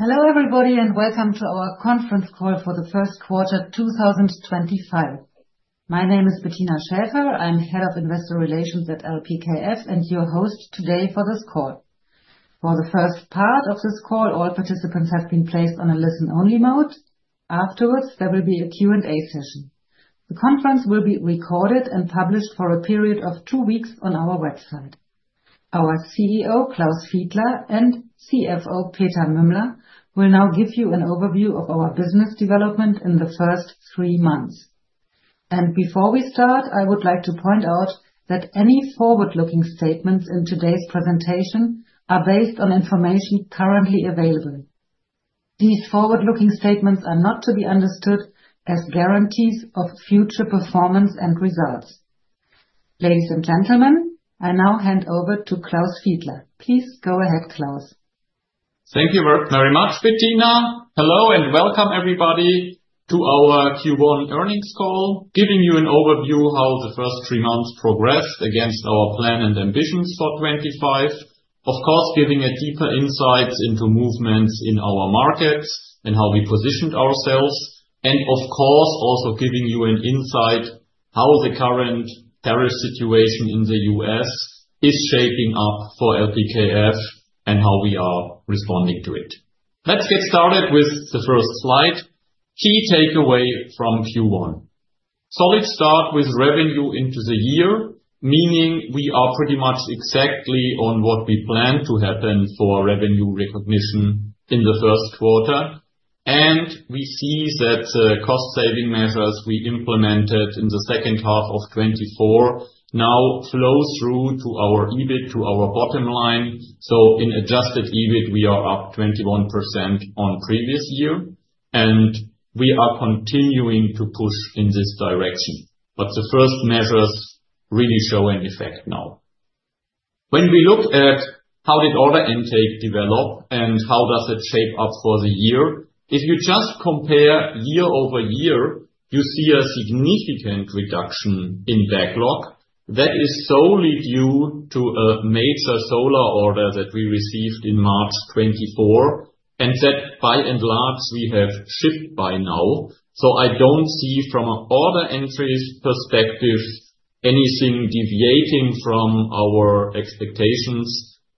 Hello everybody and welcome to our conference call for the first quarter 2025. My name is Bettina Schäfer. I'm head of investor relations at LPKF and your host today for this call. For the first part of this call, all participants have been placed on a listen-only mode. Afterwards, there will be a Q&A session. The conference will be recorded and published for a period of two weeks on our website. Our CEO, Klaus Fiedler, and CFO, Peter Mümmler, will now give you an overview of our business development in the first three months. Before we start, I would like to point out that any forward-looking statements in today's presentation are based on information currently available. These forward-looking statements are not to be understood as guarantees of future performance and results. Ladies and gentlemen, I now hand over to Klaus Fiedler. Please go ahead, Klaus. Thank you very much, Bettina. Hello and welcome, everybody, to our Q1 earnings call, giving you an overview of how the first three months progressed against our plan and ambitions for 2025. Of course, giving a deeper insight into movements in our markets and how we positioned ourselves, and of course, also giving you an insight into how the current tariff situation in the US is shaping up for LPKF and how we are responding to it. Let's get started with the first slide. Key takeaway from Q1: solid start with revenue into the year, meaning we are pretty much exactly on what we planned to happen for revenue recognition in the first quarter, and we see that the cost-saving measures we implemented in the second half of 2024 now flow through to our EBIT, to our bottom line. So in adjusted EBIT, we are up 21% on previous year, and we are continuing to push in this direction. But the first measures really show an effect now. When we look at how did order intake develop and how does it shape up for the year, if you just compare year over year, you see a significant reduction in backlog. That is solely due to a major solar order that we received in March 2024 and that by and large we have shipped by now. So I don't see from an order entries perspective anything deviating from our expectations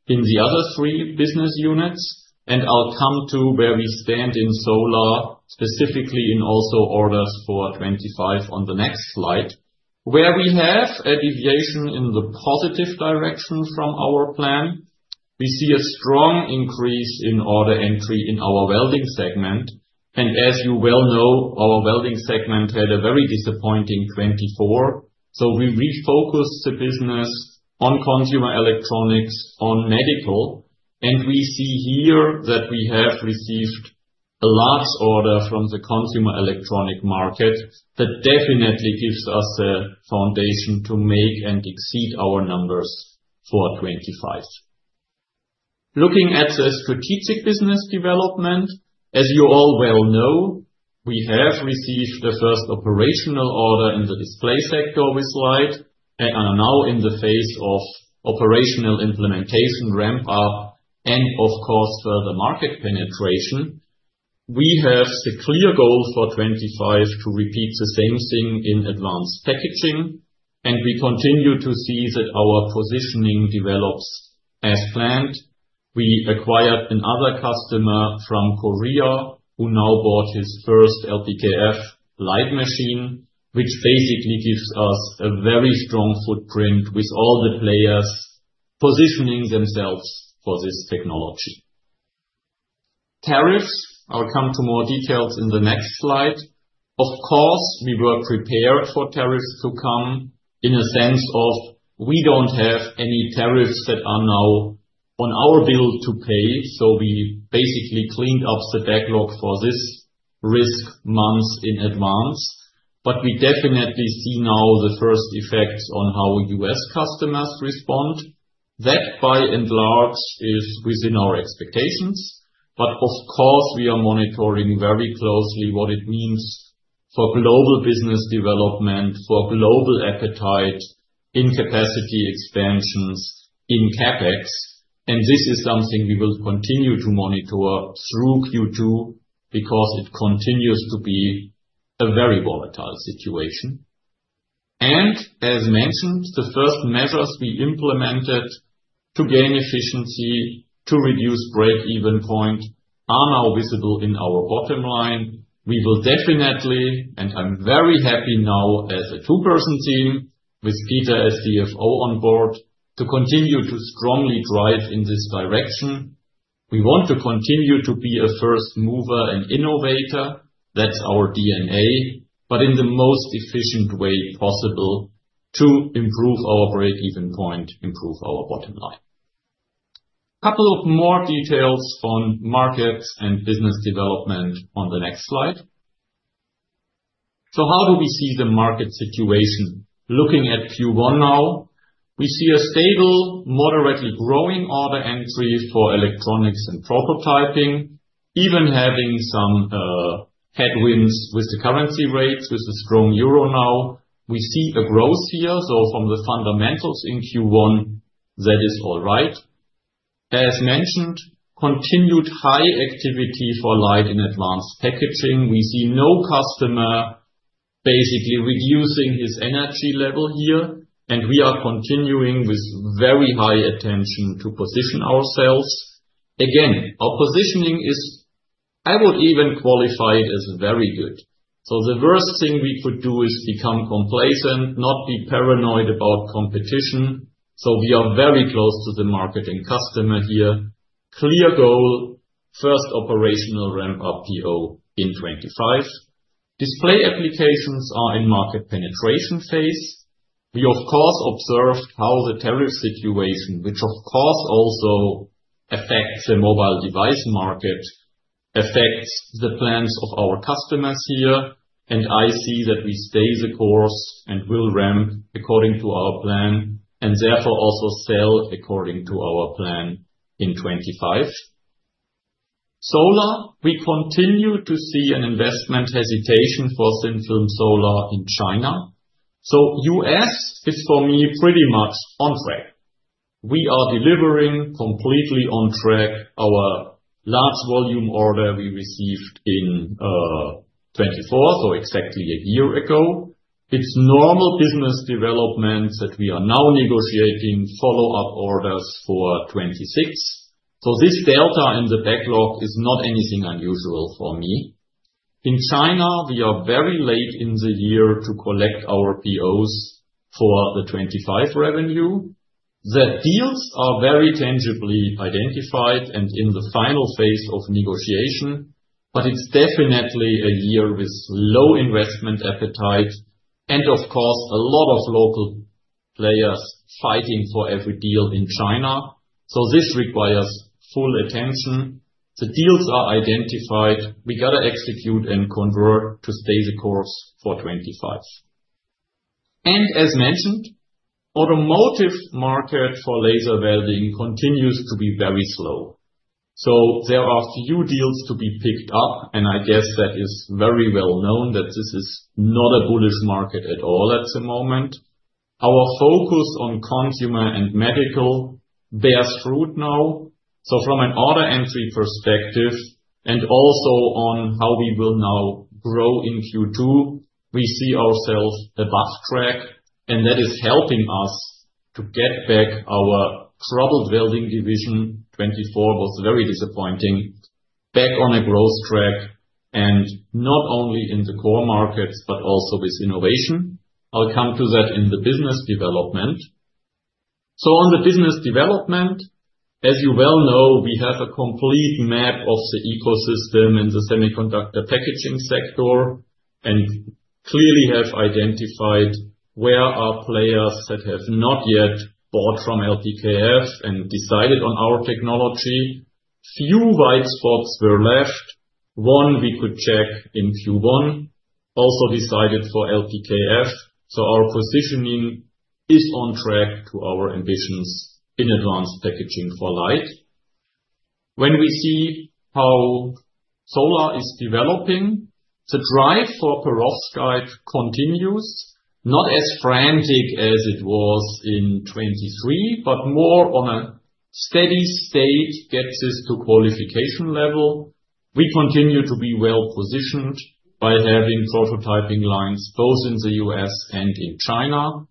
in the other three business units. And I'll come to where we stand in solar, specifically in also orders for 2025 on the next slide, where we have a deviation in the positive direction from our plan. We see a strong increase in order entry in our welding segment. As you well know, our welding segment had a very disappointing 2024. We refocused the business on consumer electronics, on medical. We see here that we have received a large order from the consumer electronics market that definitely gives us a foundation to make and exceed our numbers for 2025. Looking at the strategic business development, as you all well know, we have received the first operational order in the display sector with LIDE and are now in the phase of operational implementation, ramp-up, and of course further market penetration. We have the clear goal for 2025 to repeat the same thing in advanced packaging. We continue to see that our positioning develops as planned. We acquired another customer from Korea who now bought his first LPKF LIDE machine, which basically gives us a very strong footprint with all the players positioning themselves for this technology. Tariffs, I'll come to more details in the next slide. Of course, we were prepared for tariffs to come in a sense of we don't have any tariffs that are now on our bill to pay. So we basically cleaned up the backlog for this risk months in advance. But we definitely see now the first effects on how U.S. customers respond. That by and large is within our expectations. But of course, we are monitoring very closely what it means for global business development, for global appetite in capacity expansions in CapEx. And this is something we will continue to monitor through Q2 because it continues to be a very volatile situation. And as mentioned, the first measures we implemented to gain efficiency, to reduce break-even point, are now visible in our bottom line. We will definitely, and I'm very happy now as a two-person team with Peter as CFO on board, to continue to strongly drive in this direction. We want to continue to be a first mover and innovator. That's our DNA, but in the most efficient way possible to improve our break-even point, improve our bottom line. A couple of more details on markets and business development on the next slide. How do we see the market situation? Looking at Q1 now, we see a stable, moderately growing order entry for electronics and prototyping, even having some headwinds with the currency rates, with the strong euro now. We see a growth here. From the fundamentals in Q1, that is all right. As mentioned, continued high activity for LIDE in advanced packaging. We see no customer basically reducing his energy level here. And we are continuing with very high attention to position ourselves. Again, our positioning is, I would even qualify it as very good. So the worst thing we could do is become complacent, not be paranoid about competition. So we are very close to the market and customer here. Clear goal, first operational ramp-up PO in 2025. Display applications are in market penetration phase. We, of course, observed how the tariff situation, which of course also affects the mobile device market, affects the plans of our customers here. And I see that we stay the course and will ramp according to our plan and therefore also sell according to our plan in 2025. Solar, we continue to see an investment hesitation for thin-film solar in China. So US is for me pretty much on track. We are delivering completely on track our large volume order we received in 2024, so exactly a year ago. It's normal business development that we are now negotiating follow-up orders for 2026 so this delta in the backlog is not anything unusual for me. In China, we are very late in the year to collect our POs for the 2025 revenue. The deals are very tangibly identified and in the final phase of negotiation, but it's definitely a year with low investment appetite and of course a lot of local players fighting for every deal in China so this requires full attention. The deals are identified. We got to execute and convert to stay the course for 2025 and as mentioned, the automotive market for laser welding continues to be very slow so there are few deals to be picked up. I guess that is very well known that this is not a bullish market at all at the moment. Our focus on consumer and medical bears fruit now. From an order entry perspective and also on how we will now grow in Q2, we see ourselves above track. That is helping us to get back our troubled welding division. 2024 was very disappointing. Back on a growth track and not only in the core markets, but also with innovation. I'll come to that in the business development. On the business development, as you well know, we have a complete map of the ecosystem in the semiconductor packaging sector and clearly have identified where our players that have not yet bought from LPKF and decided on our technology. Few white spots were left. One we could check in Q1 also decided for LPKF. Our positioning is on track to our ambitions in advanced packaging for LIDE. When we see how solar is developing, the drive for perovskite continues, not as frantic as it was in 2023, but more on a steady state gets us to qualification level. We continue to be well positioned by having prototyping lines both in the U.S. and in China.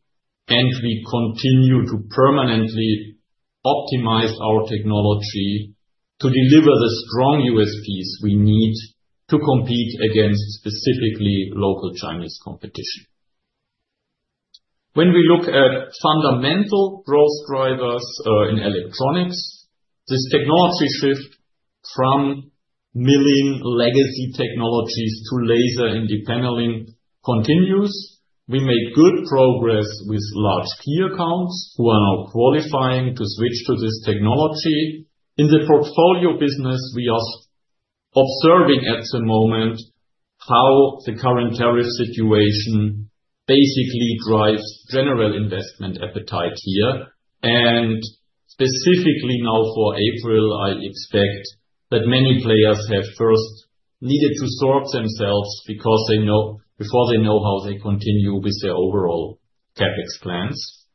We continue to permanently optimize our technology to deliver the strong USPs we need to compete against specifically local Chinese competition. When we look at fundamental growth drivers in electronics, this technology shift from milling legacy technologies to laser in depaneling continues. We made good progress with large key accounts who are now qualifying to switch to this technology. In the portfolio business, we are observing at the moment how the current tariff situation basically drives general investment appetite here. Specifically now for April, I expect that many players have first needed to sort themselves before they know how they continue with their overall CapEx plans.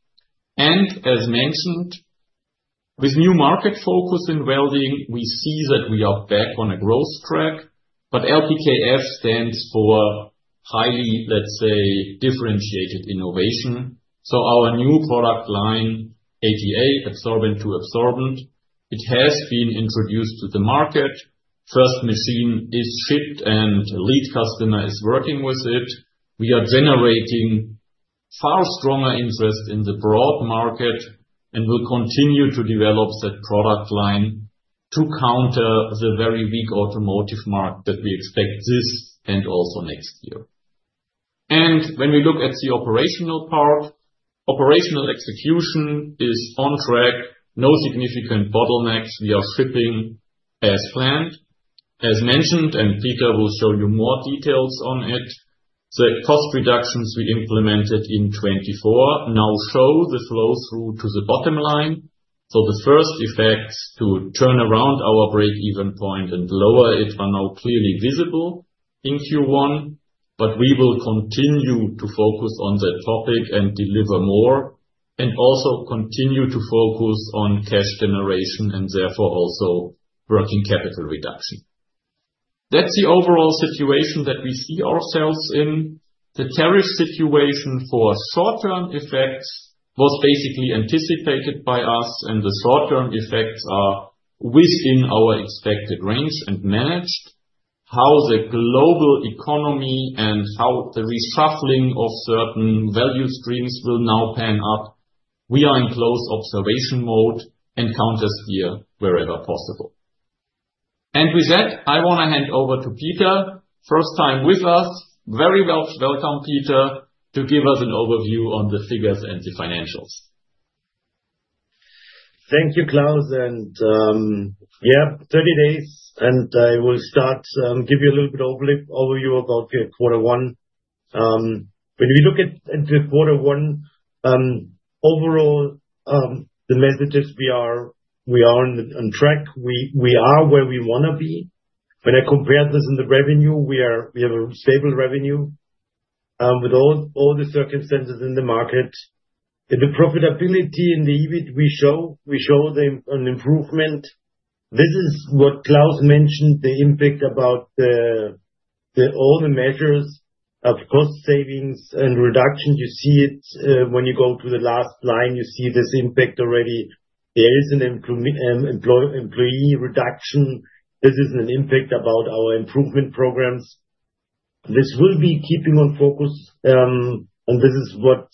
As mentioned, with new market focus in welding, we see that we are back on a growth track, but LPKF stands for highly, let's say, differentiated innovation. Our new product line, ATA, absorbent to absorbent, it has been introduced to the market. First machine is shipped and a lead customer is working with it. We are generating far stronger interest in the broad market and will continue to develop that product line to counter the very weak automotive market that we expect this and also next year. When we look at the operational part, operational execution is on track, no significant bottlenecks. We are shipping as planned. As mentioned, and Peter will show you more details on it, the cost reductions we implemented in 2024 now show the flow through to the bottom line, so the first effects to turn around our break-even point and lower it are now clearly visible in Q1, but we will continue to focus on that topic and deliver more and also continue to focus on cash generation and therefore also working capital reduction. That's the overall situation that we see ourselves in. The tariff situation for short-term effects was basically anticipated by us, and the short-term effects are within our expected range and managed. How the global economy and how the reshuffling of certain value streams will now pan out, we are in close observation mode and counter-steer wherever possible, and with that, I want to hand over to Peter. First time with us, very welcome, Peter, to give us an overview on the figures and the financials. Thank you, Klaus. Yeah, 30 days, and I will start, give you a little bit of overview about the quarter one. When we look at the quarter one, overall, the message is we are on track. We are where we want to be. When I compare this in the revenue, we have a stable revenue with all the circumstances in the market. The profitability in the EBIT we show, we show an improvement. This is what Klaus mentioned, the impact about all the measures of cost savings and reduction. You see it when you go to the last line, you see this impact already. There is an employee reduction. This is an impact about our improvement programs. This will be keeping on focus. And this is what,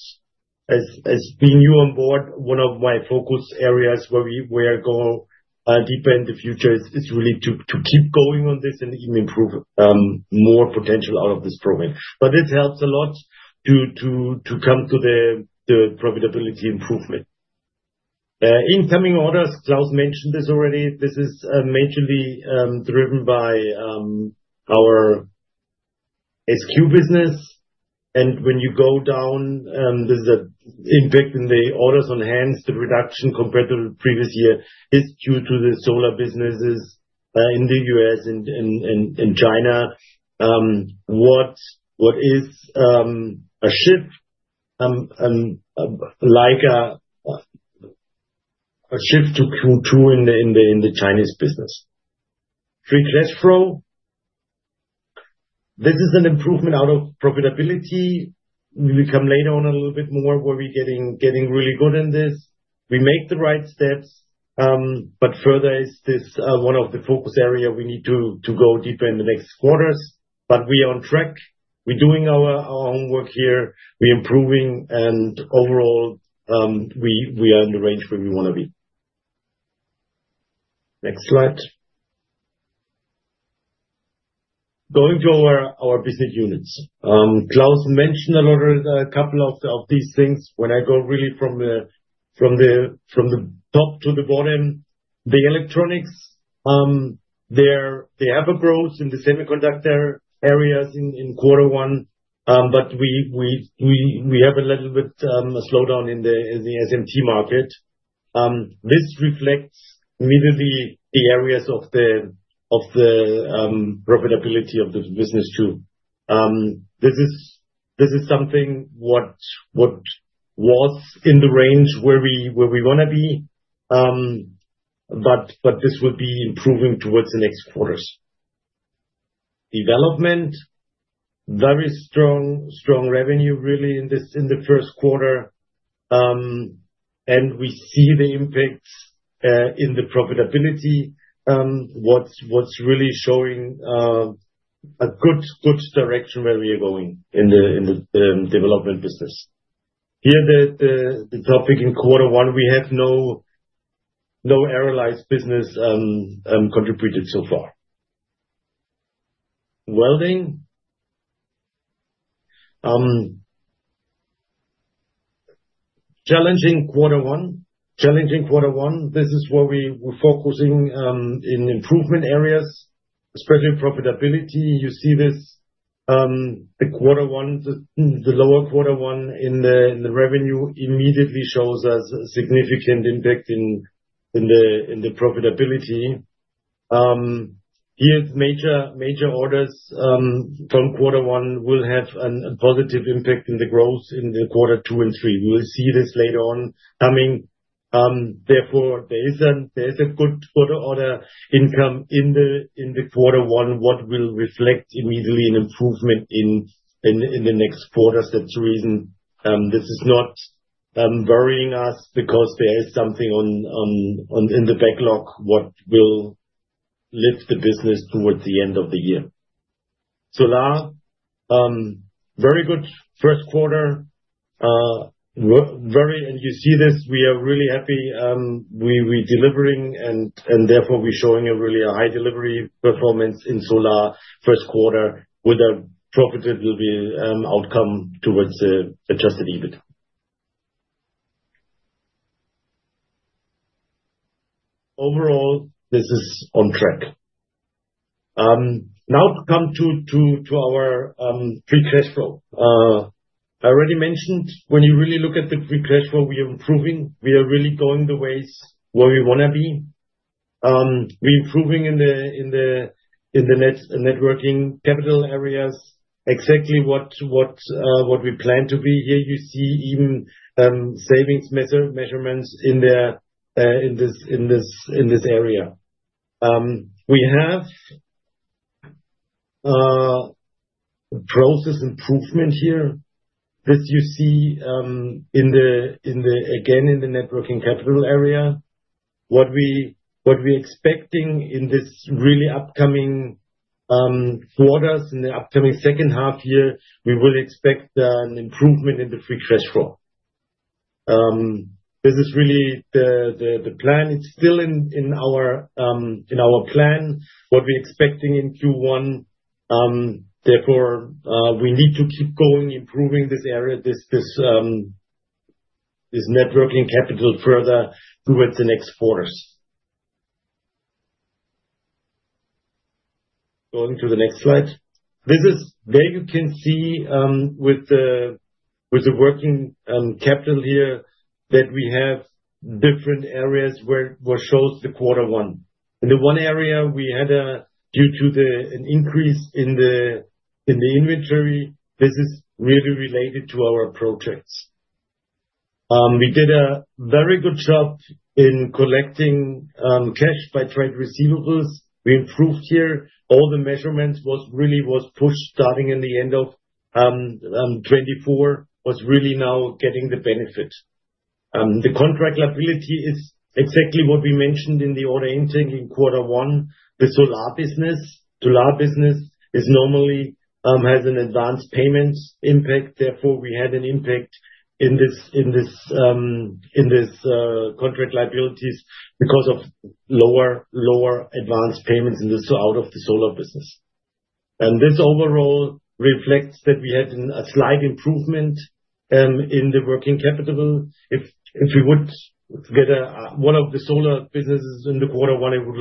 as being new on board, one of my focus areas where we will go deeper in the future is really to keep going on this and even improve more potential out of this program. But this helps a lot to come to the profitability improvement. Incoming orders, Klaus mentioned this already. This is majorly driven by our EQ business. And when you go down, there's an impact in the orders on hands. The reduction compared to the previous year is due to the solar businesses in the US and China. What is a shift like a shift to Q2 in the Chinese business? Free cash flow. This is an improvement out of profitability. We will come later on a little bit more where we're getting really good in this. We make the right steps. But further, this is one of the focus areas we need to go deeper in the next quarters. But we are on track. We're doing our homework here. We're improving. And overall, we are in the range where we want to be. Next slide. Going to our business units. Klaus mentioned a couple of these things. When I go really from the top to the bottom, the electronics, they have a growth in the semiconductor areas in quarter one. But we have a little bit of a slowdown in the SMT market. This reflects immediately the areas of the profitability of the business too. This is something what was in the range where we want to be. But this will be improving towards the next quarters. Development, very strong revenue really in the first quarter. We see the impacts in the profitability, what's really showing a good direction where we are going in the development business. Here, the topic in quarter one, we have no ARRALYZE business contributed so far. Welding. Challenging quarter one. This is where we're focusing in improvement areas, especially profitability. You see this. The quarter one, the lower quarter one in the revenue immediately shows us a significant impact in the profitability. Here, major orders from quarter one will have a positive impact in the growth in the quarter two and three. We will see this later on coming. Therefore, there is a good order intake in the quarter one that will reflect immediately an improvement in the next quarters. That's the reason this is not worrying us because there is something in the backlog that will lift the business towards the end of the year. Solar, very good first quarter, and you see this, we are really happy. We're delivering and therefore we're showing a really high delivery performance in solar first quarter with a profitable outcome towards the adjusted EBIT. Overall, this is on track. Now, to come to our free cash flow. I already mentioned when you really look at the free cash flow, we are improving. We are really going the ways where we want to be. We're improving in the working capital areas, exactly what we plan to be. Here you see even savings measurements in this area. We have process improvement here. This you see again in the working capital area. What we're expecting in this really upcoming quarters, in the upcoming second half year, we will expect an improvement in the free cash flow. This is really the plan. It's still in our plan what we're expecting in Q1. Therefore, we need to keep going, improving this working capital further towards the next quarters. Going to the next slide. This is where you can see with the working capital here that we have different areas where it shows the quarter one. In one area, we had a due to an increase in the inventory. This is really related to our projects. We did a very good job in collecting cash by trade receivables. We improved here. All the measurements really were pushed starting in the end of 2024 was really now getting the benefit. The contract liability is exactly what we mentioned in the order intake in quarter one. The solar business is normally has an advanced payments impact. Therefore, we had an impact in this contract liabilities because of lower advanced payments out of the solar business. This overall reflects that we had a slight improvement in the working capital. If we would get one of the solar businesses in the quarter one, it would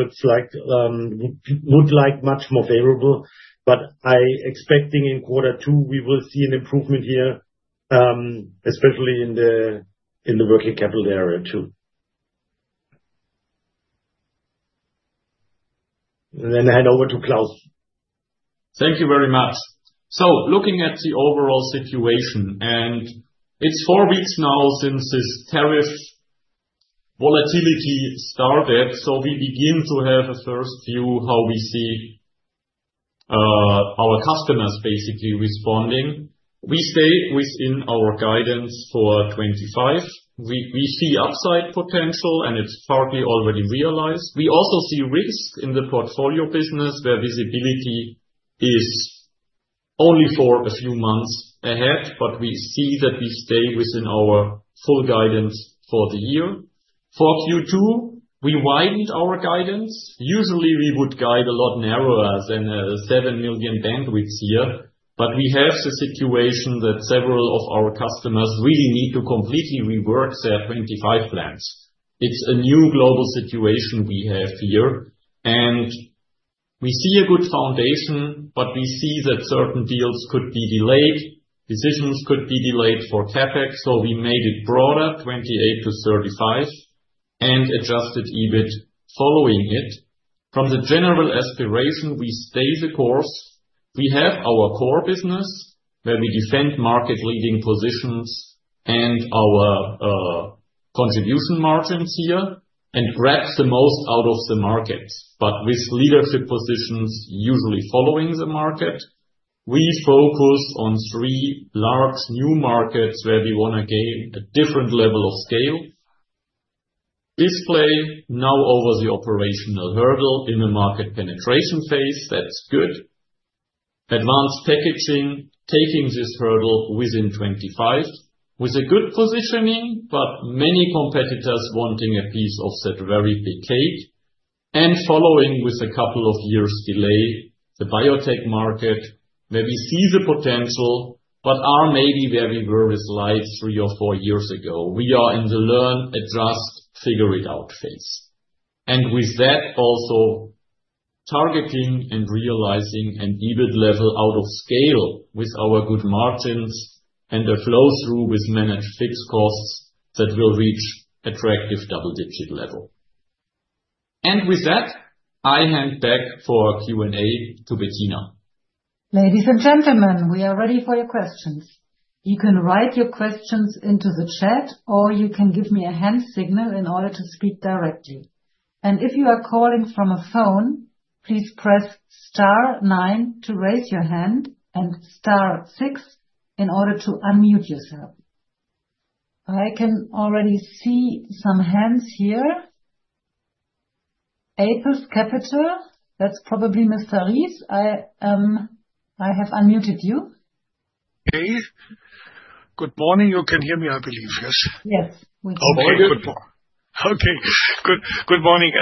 look like much more favorable. I'm expecting in quarter two, we will see an improvement here, especially in the working capital area too. Then I hand over to Klaus. Thank you very much. Looking at the overall situation, and it's four weeks now since this tariff volatility started. We begin to have a first view how we see our customers basically responding. We stay within our guidance for 2025. We see upside potential, and it's partly already realized. We also see risk in the portfolio business where visibility is only for a few months ahead, but we see that we stay within our full guidance for the year. For Q2, we widened our guidance. Usually, we would guide a lot narrower than seven million bandwidth here, but we have the situation that several of our customers really need to completely rework their 2025 plans. It's a new global situation we have here. And we see a good foundation, but we see that certain deals could be delayed, decisions could be delayed for CapEx. So we made it broader, 28 million to 35 million, and adjusted EBIT following it. From the general aspiration, we stay the course. We have our core business where we defend market-leading positions and our contribution margins here and grab the most out of the market, but with leadership positions usually following the market. We focus on three large new markets where we want to gain a different level of scale. Display now over the operational hurdle in the market penetration phase. That's good. Advanced packaging taking this hurdle within 2025 with a good positioning, but many competitors wanting a piece of that very big cake. And following with a couple of years' delay, the biotech market where we see the potential, but are maybe where we were with LIDE three or four years ago. We are in the learn, adjust, figure it out phase. And with that, also targeting and realizing an EBIT level out of scale with our good margins and a flow through with managed fixed costs that will reach attractive double-digit level. And with that, I hand back for Q&A to Bettina. Ladies and gentlemen, we are ready for your questions. You can write your questions into the chat, or you can give me a hand signal in order to speak directly. If you are calling from a phone, please press star nine to raise your hand and star six in order to unmute yourself. I can already see some hands here. Apus Capital, that's probably Mr. Ries. I have unmuted you. Hey. Good morning. You can hear me, I believe. Yes. Yes. We can hear you. Okay. Good morning.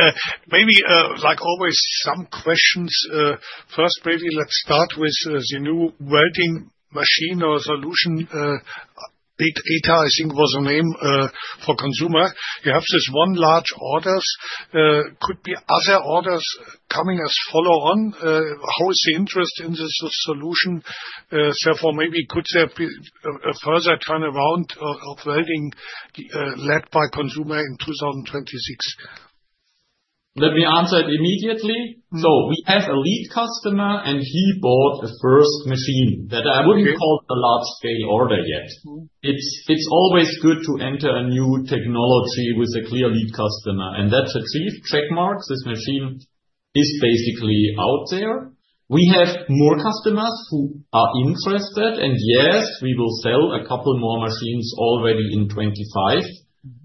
Maybe like always, some questions. First, maybe let's start with the new welding machine or solution. Beta, I think, was the name for consumer. You have this one large order. Could be other orders coming as follow-on. How is the interest in this solution? Therefore, maybe could there be a further turnaround of welding led by consumer in 2026? Let me answer it immediately. So we have a lead customer, and he bought a first machine that I wouldn't call a large-scale order yet. It's always good to enter a new technology with a clear lead customer. And that's achieved. Check marks. This machine is basically out there. We have more customers who are interested. And yes, we will sell a couple more machines already in 2025.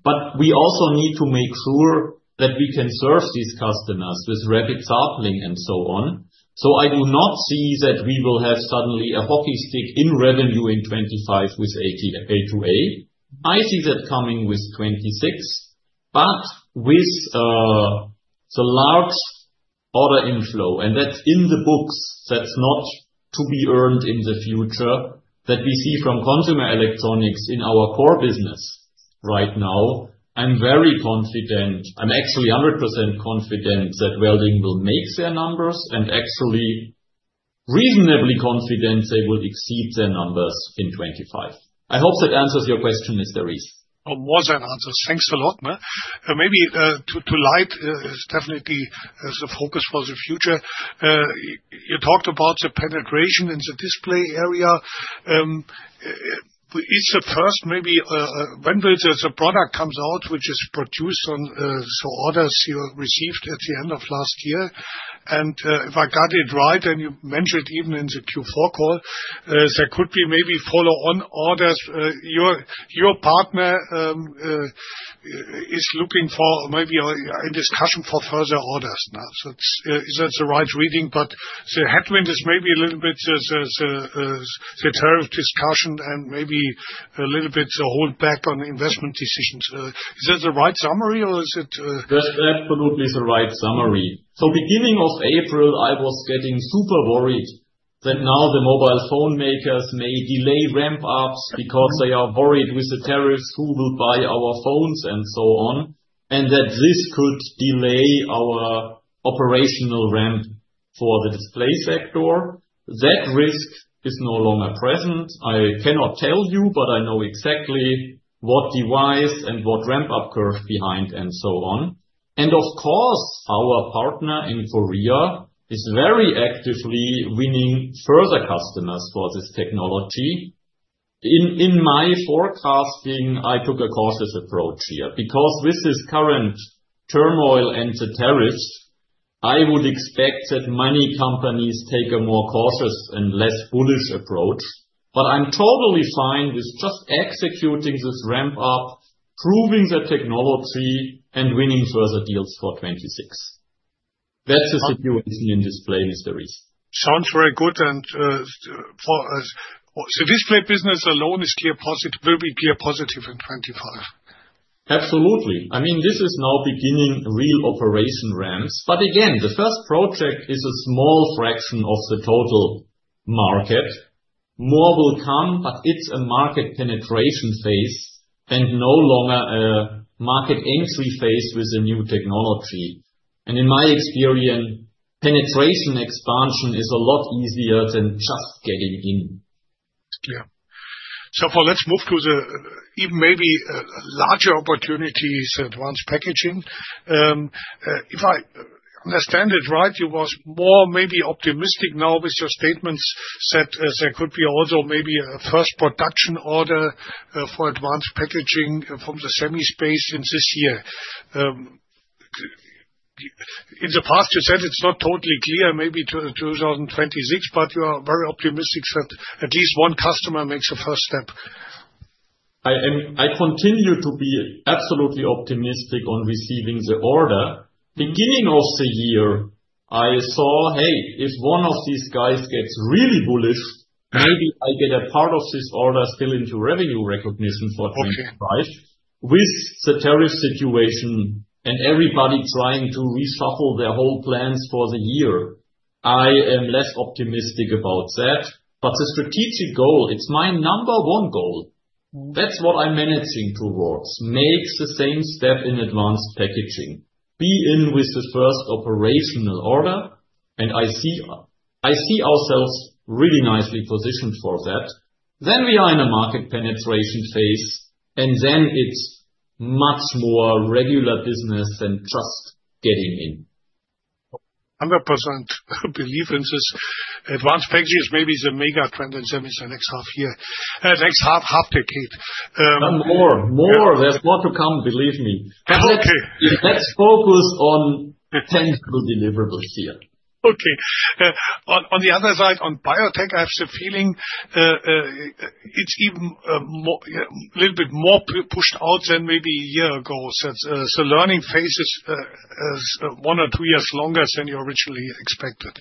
But we also need to make sure that we can serve these customers with rapid sampling and so on. So I do not see that we will have suddenly a hockey stick in revenue in 2025 with ATA. I see that coming with 2026, but with the large order inflow. And that's in the books. That's not to be earned in the future that we see from consumer electronics in our core business right now. I'm very confident. I'm actually 100% confident that welding will make their numbers and actually reasonably confident they will exceed their numbers in 2025. I hope that answers your question, Mr. Ries. More than answers. Thanks a lot. Maybe LIDE, definitely the focus for the future. You talked about the penetration in the display area. It's a first, maybe when the product comes out, which is produced on the orders you received at the end of last year, and if I got it right, and you mentioned even in the Q4 call, there could be maybe follow-on orders. Your partner is looking for maybe a discussion for further orders. Is that the right reading? but the headwind is maybe a little bit the tariff discussion and maybe a little bit the holdback on investment decisions. Is that the right summary, or is it? That's absolutely the right summary. So beginning of April, I was getting super worried that now the mobile phone makers may delay ramp-ups because they are worried with the tariffs who will buy our phones and so on, and that this could delay our operational ramp for the display sector. That risk is no longer present. I cannot tell you, but I know exactly what device and what ramp-up curve behind and so on. And of course, our partner in Korea is very actively winning further customers for this technology. In my forecasting, I took a cautious approach here because with this current turmoil and the tariffs, I would expect that many companies take a more cautious and less bullish approach. But I'm totally fine with just executing this ramp-up, proving the technology, and winning further deals for 2026. That's the situation in display, Mr. Ries. Sounds very good. The display business alone is clear positive, will be clear positive in 2025. Absolutely. I mean, this is now beginning real operation ramps. But again, the first project is a small fraction of the total market. More will come, but it's a market penetration phase and no longer a market entry phase with a new technology. In my experience, penetration expansion is a lot easier than just getting in. Yeah. Let's move to even maybe larger opportunities, advanced packaging. If I understand it right, you were more maybe optimistic now with your statements that there could be also maybe a first production order for advanced packaging from the semi space in this year. In the past, you said it's not totally clear maybe to 2026, but you are very optimistic that at least one customer makes a first step. I continue to be absolutely optimistic on receiving the order. Beginning of the year, I saw, hey, if one of these guys gets really bullish, maybe I get a part of this order still into revenue recognition for 2025. With the tariff situation and everybody trying to reshuffle their whole plans for the year, I am less optimistic about that. But the strategic goal, it's my number one goal. That's what I'm managing towards. Make the same step in advanced packaging. Be in with the first operational order. And I see ourselves really nicely positioned for that. Then we are in a market penetration phase, and then it's much more regular business than just getting in. 100% believe in this. advanced packaging is maybe the mega trend in semi for the next half year, next half decade. More. More. There's more to come, believe me. Let's focus on tangible deliverables here. Okay. On the other side, on biotech, I have the feeling it's even a little bit more pushed out than maybe a year ago so the learning phase is one or two years longer than you originally expected.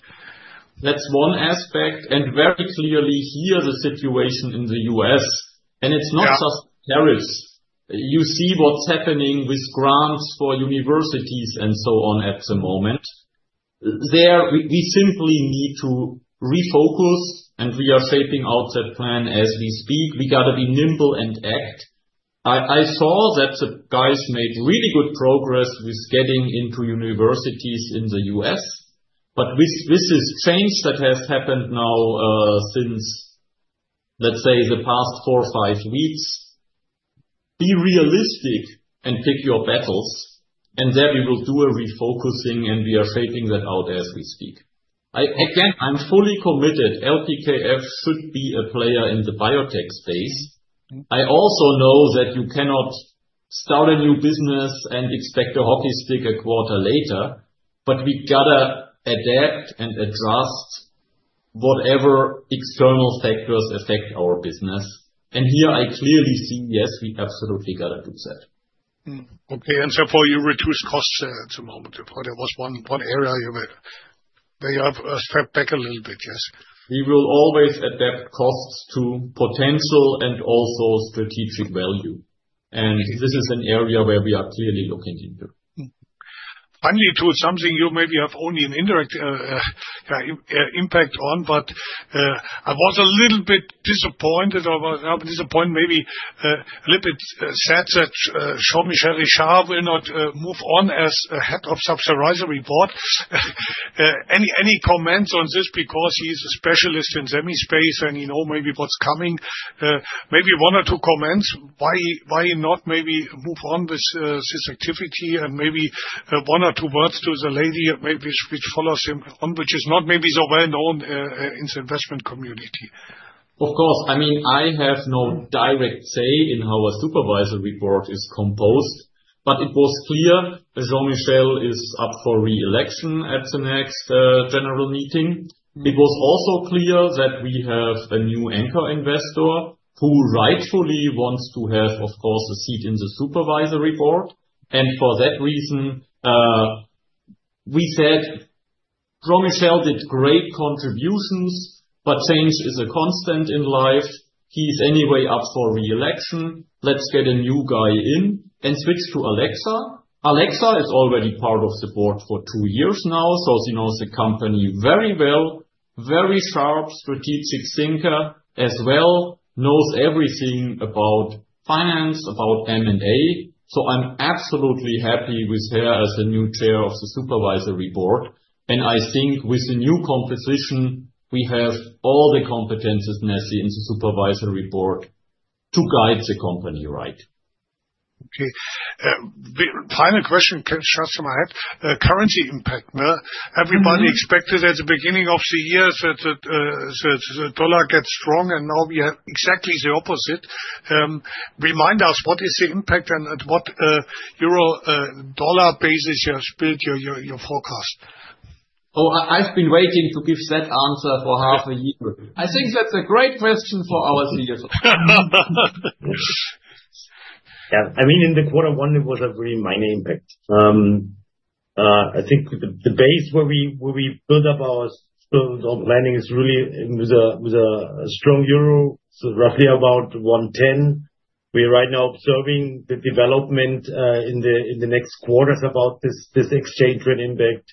That's one aspect and very clearly, here the situation in the U.S., and it's not just tariffs. You see what's happening with grants for universities and so on at the moment. We simply need to refocus, and we are shaping out that plan as we speak. We got to be nimble and act. I saw that the guys made really good progress with getting into universities in the U.S. but with this change that has happened now since, let's say, the past four or five weeks, be realistic and pick your battles. There we will do a refocusing, and we are shaping that out as we speak. Again, I'm fully committed. LPKF should be a player in the biotech space. I also know that you cannot start a new business and expect a hockey stick a quarter later, but we got to adapt and adjust whatever external factors affect our business. And here I clearly see, yes, we absolutely got to do that. Okay. And therefore, you reduce costs at the moment. There was one area where you have stepped back a little bit. Yes. We will always adapt costs to potential and also strategic value. And this is an area where we are clearly looking into. Finally, to something you maybe have only an indirect impact on, but I was a little bit disappointed or disappointed, maybe a little bit sad that Jean-Michel Richard will not move on as head of supervisory board. Any comments on this? Because he's a specialist in semis space and he knows maybe what's coming. Maybe one or two comments. Why not maybe move on with this activity and maybe one or two words to the lady which follows him on, which is not maybe so well-known in the investment community? Of course. I mean, I have no direct say in how a supervisory board is composed, but it was clear Jean-Michel is up for re-election at the next general meeting. It was also clear that we have a new anchor investor who rightfully wants to have, of course, a seat in the supervisory board. For that reason, we said Jean-Michel did great contributions, but change is a constant in life. He's anyway up for re-election. Let's get a new guy in and switch to Alexa. Alexa is already part of the board for two years now, so she knows the company very well. Very sharp, strategic thinker as well, knows everything about finance, about M&A. So I'm absolutely happy with her as a new chair of the supervisory board. And I think with the new composition, we have all the competencies necessary in the supervisory board to guide the company right. Okay. Final question, just in my head. Currency impact. Everybody expected at the beginning of the year that the dollar gets strong, and now we have exactly the opposite. Remind us, what is the impact and at what euro dollar basis you have built your forecast? Oh, I've been waiting to give that answer for half a year. I think that's a great question for our CEOs. Yeah. I mean, in the quarter one, it was a very minor impact. I think the base where we build up our planning is really with a strong euro, so roughly about 110. We are right now observing the development in the next quarter about this exchange rate impact.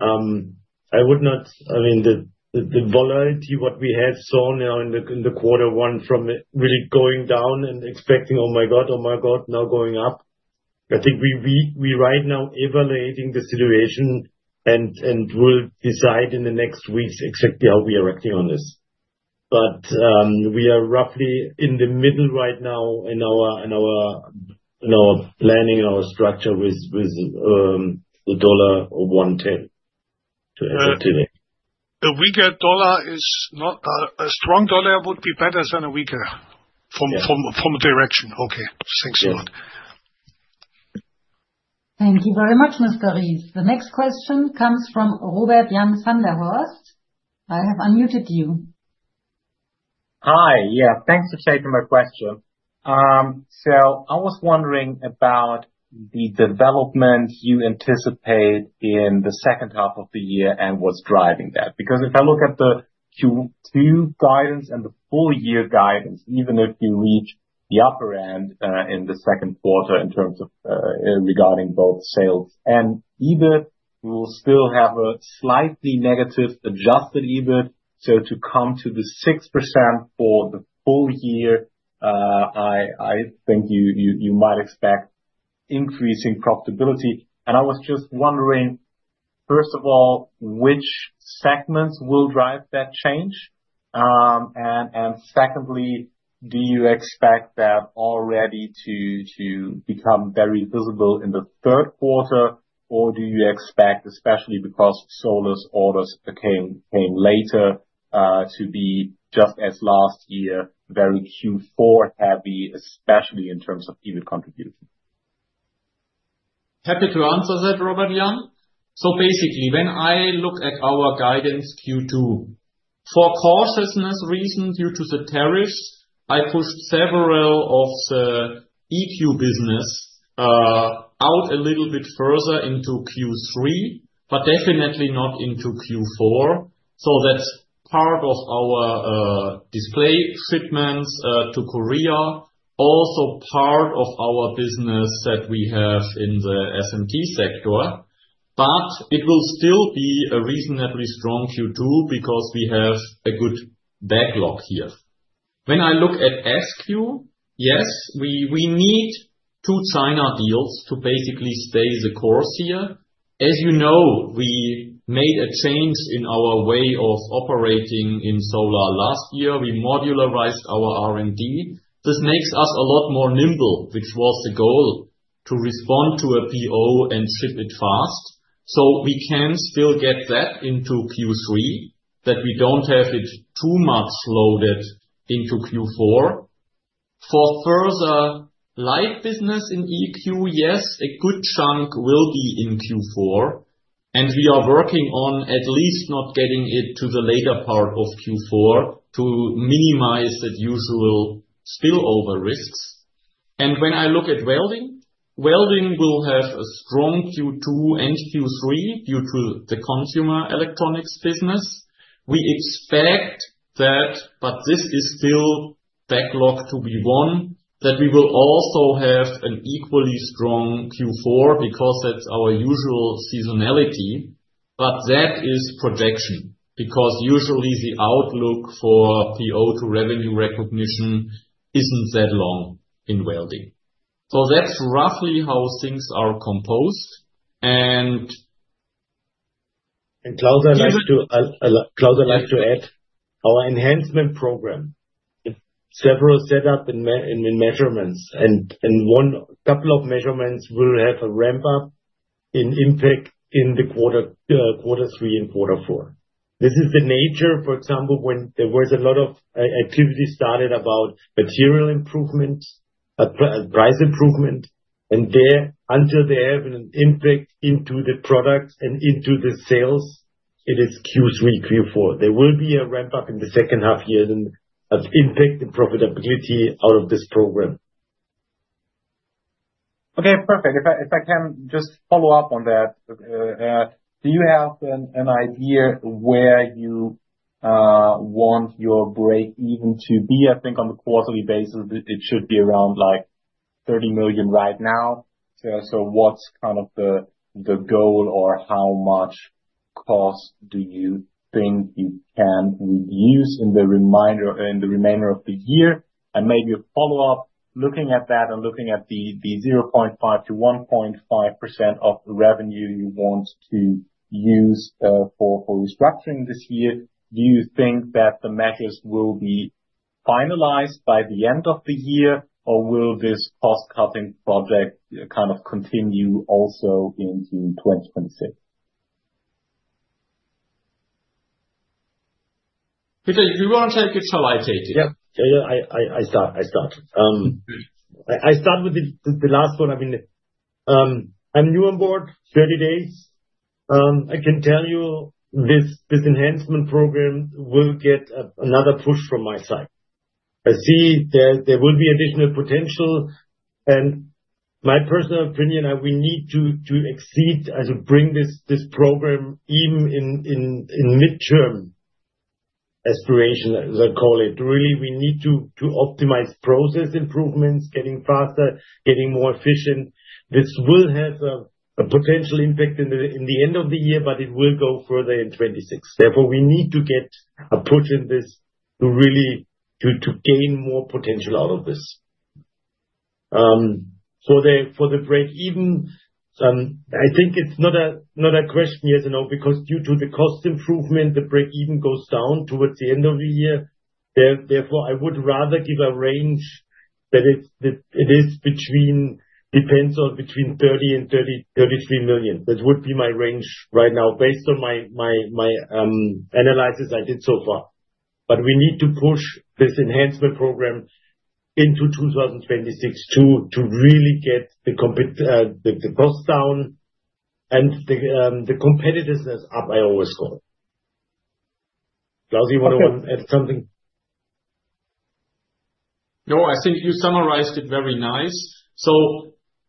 I would not, I mean, the volatility what we have seen now in the quarter one from really going down and expecting, "Oh my God, oh my God," now going up. I think we're right now evaluating the situation and will decide in the next weeks exactly how we are acting on this. But we are roughly in the middle right now in our planning, our structure with the dollar of 110 to today. The weaker dollar is not. A strong dollar would be better than a weaker from a direction. Okay. Thanks a lot. Thank you very much, Mr. Ries. The next question comes from Robert-Jan van der Horst. I have unmuted you. Hi. Yeah. Thanks for taking my question. So I was wondering about the development you anticipate in the second half of the year and what's driving that. Because if I look at the Q2 guidance and the full year guidance, even if we reach the upper end in the second quarter in terms regarding both sales and EBIT, we will still have a slightly negative adjusted EBIT. So to come to the 6% for the full year, I think you might expect increasing profitability. And I was just wondering, first of all, which segments will drive that change? Secondly, do you expect that already to become very visible in the third quarter, or do you expect, especially because solar orders came later, to be just as last year, very Q4 heavy, especially in terms of EBIT contribution? Happy to answer that, Robert-Jan. So basically, when I look at our guidance Q2, for cautiousness reasons due to the tariffs, I pushed several of the EQ business out a little bit further into Q3, but definitely not into Q4. So that's part of our display shipments to Korea, also part of our business that we have in the SMT sector. But it will still be a reasonably strong Q2 because we have a good backlog here. When I look at Q3, yes, we need two China deals to basically stay the course here. As you know, we made a change in our way of operating in solar last year. We modularized our R&D. This makes us a lot more nimble, which was the goal, to respond to a PO and ship it fast. So we can still get that into Q3, that we don't have it too much loaded into Q4. For further LIDE business in EQ, yes, a good chunk will be in Q4. And we are working on at least not getting it to the later part of Q4 to minimize the usual spillover risks. And when I look at welding, welding will have a strong Q2 and Q3 due to the consumer electronics business. We expect that, but this is still backlog to be won, that we will also have an equally strong Q4 because that's our usual seasonality. But that is projection because usually the outlook for PO to revenue recognition isn't that long in welding. So that's roughly how things are composed. And Klaus, I'd like to add our enhancement program. Several setups and measurements, and one couple of measurements will have a ramp-up in impact in the quarter three and quarter four. This is the nature, for example, when there was a lot of activity started about material improvement, price improvement, and until they have an impact into the product and into the sales, it is Q3, Q4. There will be a ramp-up in the second half year of impact and profitability out of this program. Okay. Perfect. If I can just follow up on that, do you have an idea where you want your break even to be? I think on the quarterly basis, it should be around 30 million right now. So what's kind of the goal or how much cost do you think you can use in the remainder of the year? And maybe a follow-up, looking at that and looking at the 0.5%-1.5% of revenue you want to use for restructuring this year, do you think that the measures will be finalized by the end of the year, or will this cost-cutting project kind of continue also into 2026? Bettina, if you want to take it, so I take it. Yeah. I start with the last one. I mean, I'm new on board, 30 days. I can tell you this enhancement program will get another push from my side. I see there will be additional potential. And my personal opinion, we need to exceed and to bring this program even in midterm aspiration, as I call it. Really, we need to optimize process improvements, getting faster, getting more efficient. This will have a potential impact in the end of the year, but it will go further in 2026. Therefore, we need to get a push in this to really gain more potential out of this. For the break even, I think it's not a question yes or no because due to the cost improvement, the break even goes down towards the end of the year. Therefore, I would rather give a range that it depends on between 30 million and 33 million. That would be my range right now based on my analysis I did so far. But we need to push this enhancement program into 2026 to really get the cost down and the competitiveness up, I always call it. Klaus, you want to add something? No, I think you summarized it very nice.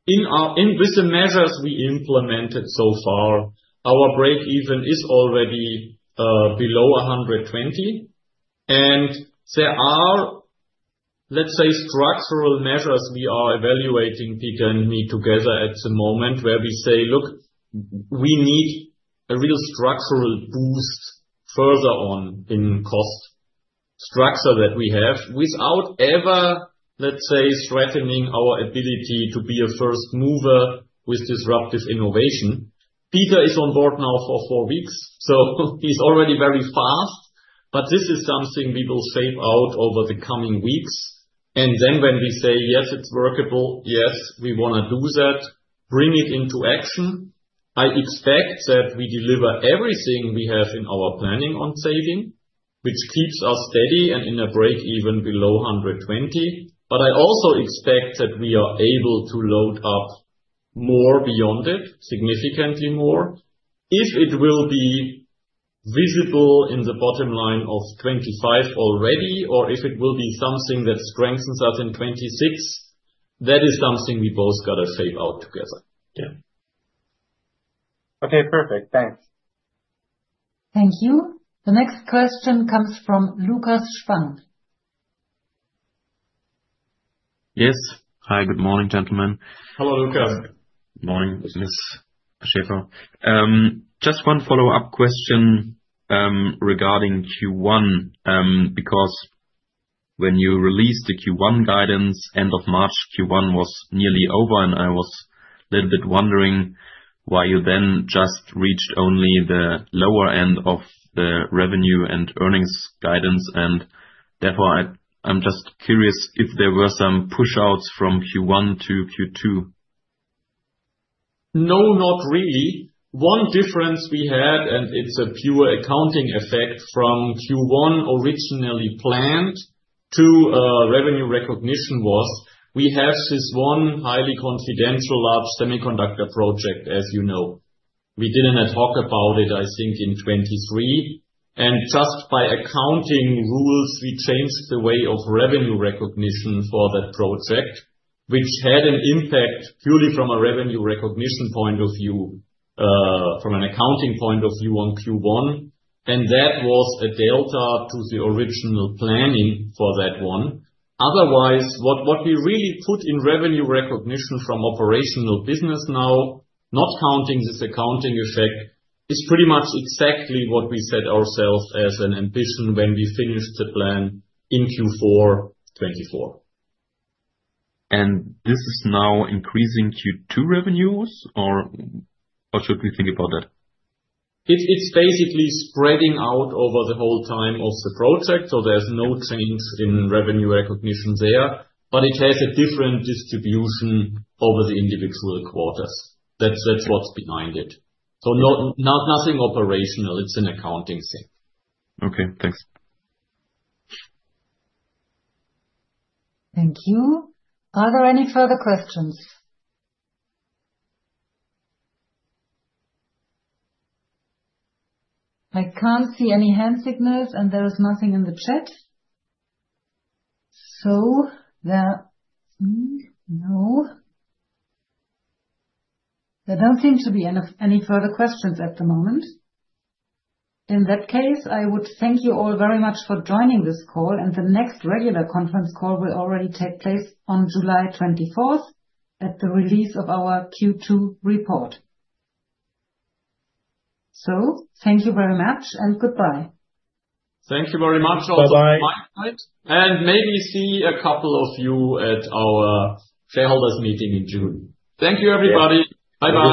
With the measures we implemented so far, our breakeven is already below 120, and there are, let's say, structural measures we are evaluating, Pete and me together at the moment, where we say, "Look, we need a real structural boost further on in cost structure that we have without ever, let's say, threatening our ability to be a first mover with disruptive innovation." Peter is on board now for four weeks, so he's already very fast, but this is something we will shape out over the coming weeks, and then when we say, "Yes, it's workable, yes, we want to do that," bring it into action. I expect that we deliver everything we have in our planning on saving, which keeps us steady and in a breakeven below 120. But I also expect that we are able to load up more beyond it, significantly more, if it will be visible in the bottom line of 2025 already, or if it will be something that strengthens us in 2026. That is something we both got to shape out together. Yeah. Okay. Perfect. Thanks. Thank you. The next question comes from Lukas Spang. Yes. Hi. Good morning, gentlemen. Hello, Lukas. Good morning, Ms. Schäfer. Just one follow-up question regarding Q1 because when you released the Q1 guidance, end of March, Q1 was nearly over, and I was a little bit wondering why you then just reached only the lower end of the revenue and earnings guidance, and therefore, I'm just curious if there were some push-outs from Q1 to Q2. No, not really. One difference we had, and it's a pure accounting effect from Q1 originally planned to revenue recognition was we have this one highly confidential large semiconductor project, as you know. We didn't talk about it, I think, in 2023. And just by accounting rules, we changed the way of revenue recognition for that project, which had an impact purely from a revenue recognition point of view, from an accounting point of view on Q1. And that was a delta to the original planning for that one. Otherwise, what we really put in revenue recognition from operational business now, not counting this accounting effect, is pretty much exactly what we set ourselves as an ambition when we finished the plan in Q4 2024. And this is now increasing Q2 revenues, or how should we think about that? It's basically spreading out over the whole time of the project. So there's no change in revenue recognition there, but it has a different distribution over the individual quarters. That's what's behind it. So nothing operational. It's an accounting thing. Okay. Thanks. Thank you. Are there any further questions? I can't see any hand signals, and there is nothing in the chat. So there don't seem to be any further questions at the moment. In that case, I would thank you all very much for joining this call. And the next regular conference call will already take place on July 24th at the release of our Q2 report. So thank you very much and goodbye. Thank you very much. Bye-bye. And maybe see a couple of you at our shareholders meeting in June. Thank you, everybody. Bye-bye.